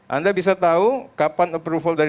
anda bisa tahu kapan approval dari